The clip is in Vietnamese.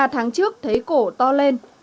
ba tháng trước thấy cổ to lên